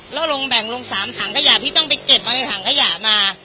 แล้วลงแบ่งลง๓ถังขยะพี่ต้องไปเก็บมาในถังขยะมา